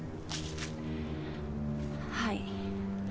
はい。